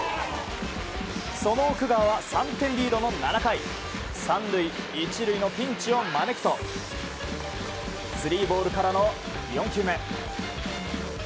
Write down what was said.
その奥川は３点リードの７回３塁１塁のピンチを招くとスリーボールからの４球目。